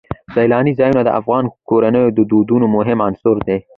سیلانی ځایونه د افغان کورنیو د دودونو مهم عنصر دی.